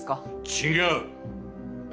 違う！